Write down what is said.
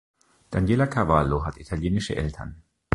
Daniela Cavallo hat italienische Eltern.